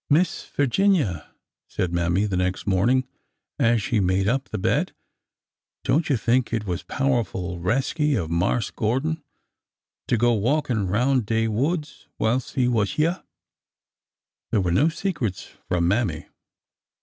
'' Miss Figinia," said Mammy, the next morning, as she made up the bed, '' don't you think it was powerful resky in Marse Gordon to go walkin' roun' de woods whilst he was hyeah ?" There were no secrets from Mammy.